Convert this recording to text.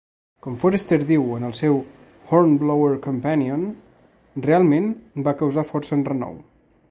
Com Forester diu en el seu "Hornblower Companion", "... realment va causar força enrenou".